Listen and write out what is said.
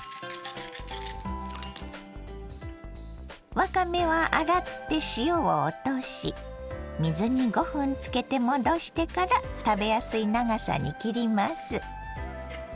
わかめは洗って塩を落とし水に５分つけて戻してから食べやすい長さに切ります。